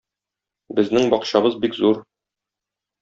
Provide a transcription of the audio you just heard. Безнең бакчабыз бик зур.